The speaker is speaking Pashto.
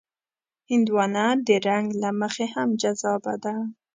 هندوانه د رنګ له مخې هم جذابه ده.